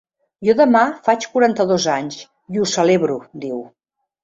Jo demà faig quaranta-dos anys i ho celebro!, diu.